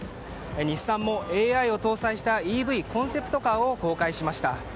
日産もＡＩを搭載したＥＶコンセプトカーを公開しました。